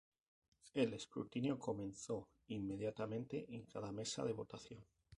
El escrutinio comenzó inmediatamente en cada mesa de votación.